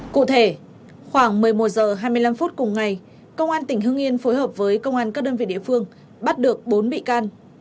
cụ thể khoảng một mươi một h hai mươi năm phút cùng ngày công an tỉnh hưng yên phối hợp với công an các đơn vị địa phương bắt được bốn bị can